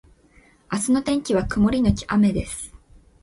明日の天気は曇りのち雨です